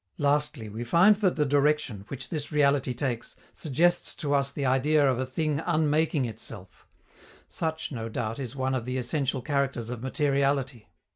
Lastly, we find that the direction, which this reality takes, suggests to us the idea of a thing unmaking itself; such, no doubt, is one of the essential characters of materiality.